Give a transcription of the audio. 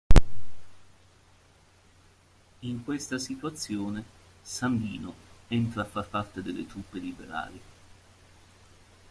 In questa situazione Sandino entra a far parte delle truppe liberali.